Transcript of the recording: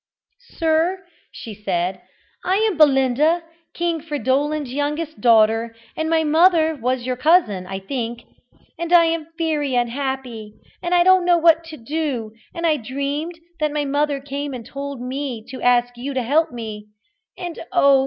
"Sir," she said, "I am Belinda, King Fridolin's youngest daughter, and my mother was your cousin, I think, and I am very unhappy, and I don't know what to do, and I dreamed that my mother came and told me to ask you to help me; and oh!